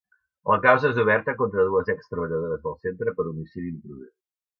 La causa és oberta contra dues ex-treballadores del centre per homicidi imprudent.